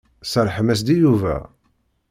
Serrḥem-as-d i Yuba.